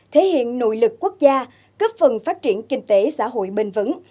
thể hiện nội lực quốc gia cấp phần phát triển kinh tế xã hội bình vấn